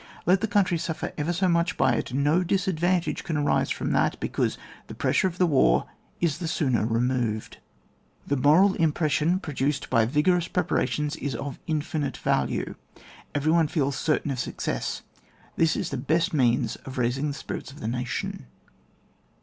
Let the country suffer ever so much by it, no disadvantage can arise from that, because the pressure of the war is the sooner re moved. The moral impression produced by vigorous preparations is of infinite value ; every one feels certain of success : this is the best means of raising the spirits of the nation.